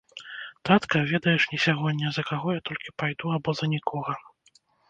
Татка, ведаеш не сягоння, за каго я толькі пайду, або за нікога.